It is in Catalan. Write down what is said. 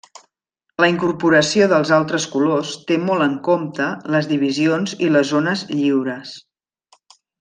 La incorporació dels altres colors té molt en compte les divisions i les zones lliures.